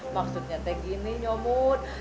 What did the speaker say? maksudnya teh gini nyomot